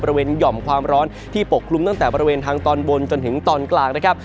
หย่อมความร้อนที่ปกคลุมตั้งแต่บริเวณทางตอนบนจนถึงตอนกลางนะครับ